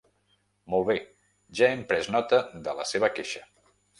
Molt bé, ja hem pres nota de la seva queixa.